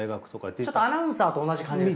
ちょっとアナウンサーと同じ感じですか？